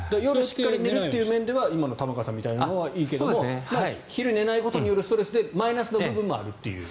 夜しっかり寝るというためには今の玉川さんみたいなのはいいけれど昼、寝ないことによるストレスでマイナスの部分もあるという。